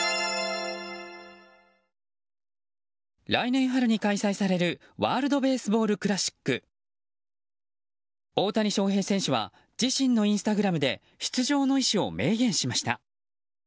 来年春に開催されるワールド・ベースボール・クラシック大谷翔平選手は自身のインスタグラムで出場の意思を明言しました。